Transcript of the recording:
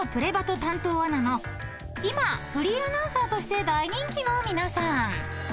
担当アナの今フリーアナウンサーとして大人気の皆さん］